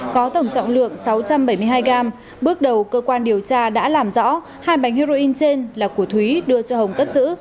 có tổng trọng lượng sáu trăm bảy mươi hai gram bước đầu cơ quan điều tra đã làm rõ hai bánh heroin trên là của thúy đưa cho hồng cất giữ